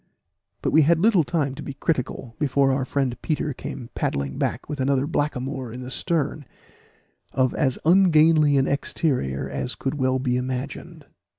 But we had little time to be critical, before our friend Peter came paddling back with another blackamoor in the stern, of as ungainly an exterior as could well be imagined.